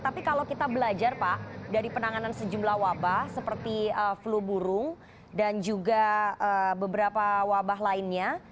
tapi kalau kita belajar pak dari penanganan sejumlah wabah seperti flu burung dan juga beberapa wabah lainnya